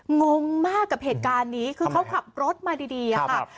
งงมากกับเหตุการณ์นี้คือเขาขับรถมาดีดีอ่ะค่ะครับครับ